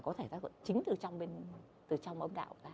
có thể là chính từ trong âm đạo